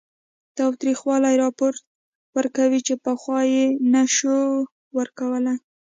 تاوتریخوالي راپور ورکړي چې پخوا یې نه شو ورکولی